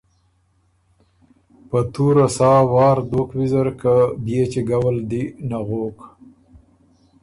په تُوره سا وار دوک ویزر که بيې چِګؤ ال دی نغوک۔